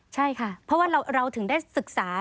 ใช่ค่ะเพราะว่าเราถึงได้ศึกษา